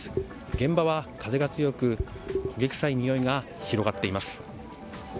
現場は風が強く焦げ臭いにおいが広がっています。